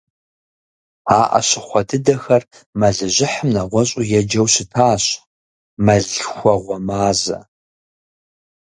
А Ӏэщыхъуэ дыдэхэр мэлыжьыхьым нэгъуэщӀу еджэу щытащ - мэллъхуэгъуэ мазэ.